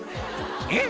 「えっ？